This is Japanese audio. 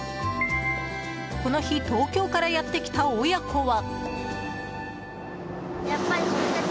この日東京からやってきた親子は。